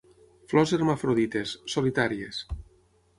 Flors hermafrodites, solitàries.